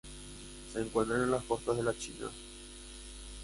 Se encuentran en las costas de la China.